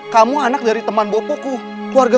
kamu anak dari teman baru kamu